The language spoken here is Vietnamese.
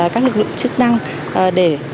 các lực lượng chức năng để